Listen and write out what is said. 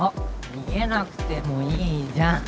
逃げなくてもいいじゃん